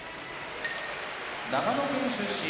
長野県出身